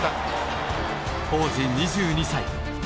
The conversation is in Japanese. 当時、２２歳。